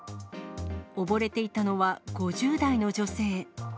溺れていたのは５０代の女性。